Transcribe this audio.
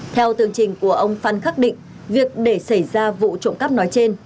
theo tường trình của ông phan khắc định việc để xảy ra vụ trộm cắp nói trên